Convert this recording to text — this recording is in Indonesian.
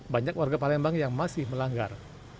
banyak warga palembang yang masih melanggar